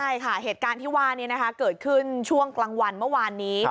ใช่ค่ะเหตุการณ์ที่ว่านี้เกิดขึ้นช่วงกลางวันเมื่อวานนี้